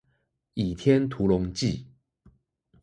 倚天屠龍記